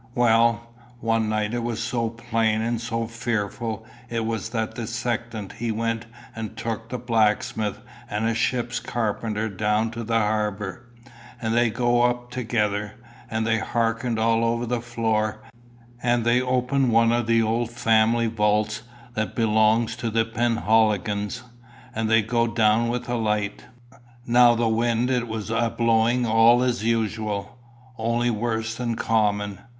Well, one night it was so plain and so fearful it was that the sexton he went and took the blacksmith and a ship's carpenter down to the harbour, and they go up together, and they hearken all over the floor, and they open one of the old family wouts that belongs to the Penhaligans, and they go down with a light. Now the wind it was a blowing all as usual, only worse than common.